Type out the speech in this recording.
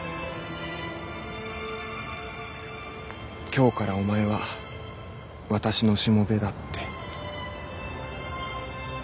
「今日からお前は私のしもべだ」って。